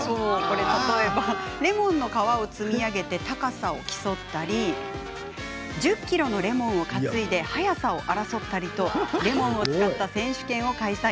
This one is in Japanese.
レモンの皮を積み上げて高さを競ったり１０ｋｇのレモンを担いで速さを争ったりとレモンを使った選手権を開催。